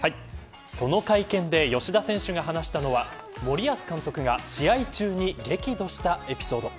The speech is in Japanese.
その会見で吉田選手が話したのは森保監督が試合中に激怒したエピソード。